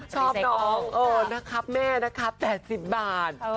ชอบน้องเอิญนะครับแม่นะครับ๘๐บาท